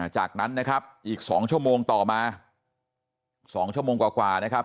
จากนั้นนะครับอีก๒ชั่วโมงต่อมา๒ชั่วโมงกว่านะครับ